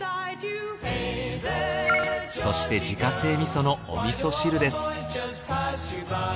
そして自家製味噌のお味噌汁です。